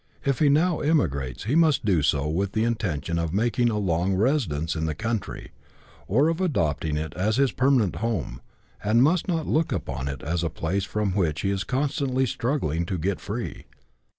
If he now emigrates, he must do so with the intention of making a long residence in the country, or of adopting it as his permanent home, and must not look upon it as a place from which he is constantly struggling to get free.